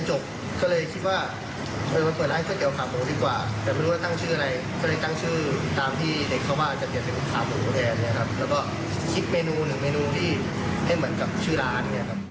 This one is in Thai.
แล้วก็คิดเมนูหนึ่งที่ให้เหมือนกับชื่อร้าน